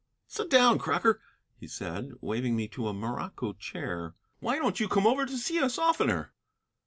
"Sit down, Crocker," he said, waving me to a morocco chair. "Why don't you come over to see us oftener?"